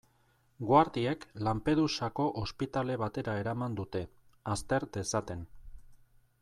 Guardiek Lampedusako ospitale batera eraman dute, azter dezaten.